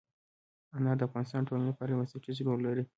انار د افغانستان د ټولنې لپاره یو بنسټيز رول لري.